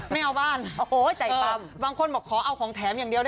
ไม่เอาบ้านอุ้ย